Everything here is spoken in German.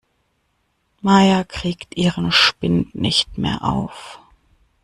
Maja kriegt ihren Spind nicht mehr auf.